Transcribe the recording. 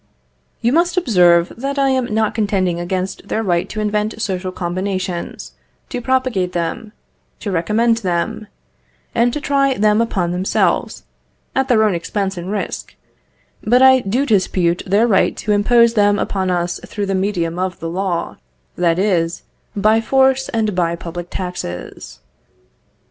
You must observe that I am not contending against their right to invent social combinations, to propagate them, to recommend them, and to try them upon themselves, at their own expense and risk; but I do dispute their right to impose them upon us through the medium of the law, that is, by force and by public taxes.